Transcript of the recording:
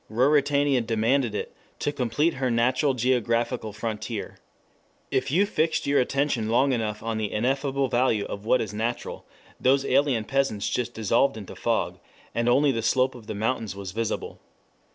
Ruritania demanded it to complete her natural geographical frontier. If you fixed your attention long enough on the ineffable value of what is natural, those alien peasants just dissolved into fog, and only the slope of the mountains was visible.